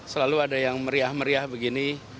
selalu ada yang meriah meriah begini